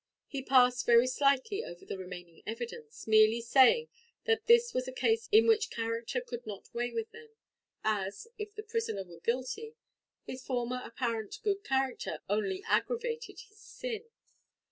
He passed very slightly over the remaining evidence, merely saying that this was a case in which character could not weigh with them, as, if the prisoner were guilty, his former apparent good character only aggravated his sin.